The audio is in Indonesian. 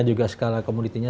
juga skala komoditinya